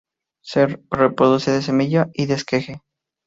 Se reproduce de semilla y de esqueje.